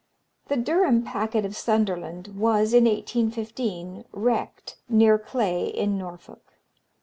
The Durham packet of Sunderland was, in 1815, wrecked near Clay, in Norfolk.